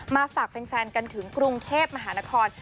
ฝากแฟนกันถึงกรุงเทพมหานคร